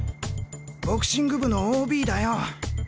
ボクシング部のＯＢだよ。